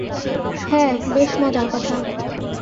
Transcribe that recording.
হ্যা, বেশ মজার কথা।